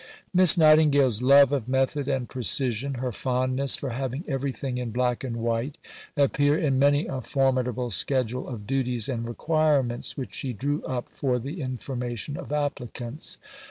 Miss Nightingale's love of method and precision, her fondness for having everything in black and white, appear in many a formidable schedule of duties and requirements which she drew up for the information of applicants.